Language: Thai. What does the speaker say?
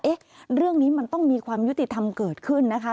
เอ๊ะเรื่องนี้มันต้องมีความยุติธรรมเกิดขึ้นนะคะ